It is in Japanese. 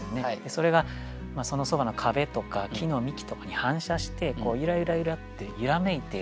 それがそのそばの壁とか木の幹とかに反射してゆらゆらゆらって揺らめいている。